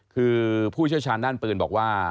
คือผู้เชี่ยวชาญด้านปืนบอกว่า